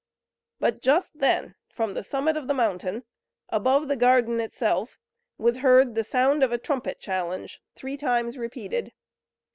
But just then from the summit of the mountain, above the garden itself, was heard the sound of a trumpet challenge, three times repeated.